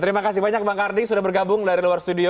terima kasih banyak bang kardi sudah bergabung dari luar studio